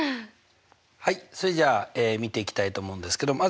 はいそれじゃあ見ていきたいと思うんですけどま